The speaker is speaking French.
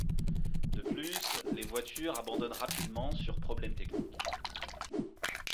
De plus, les voitures abandonnent rapidement sur problème technique.